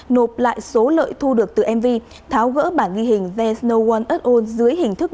nộp lại số lợi thu được từ mv tháo gỡ bản ghi hình there s no one at all dưới hình thức